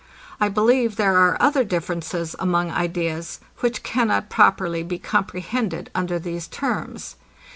I believe there are other differences among ideas, which cannot properly be comprehended under these terms.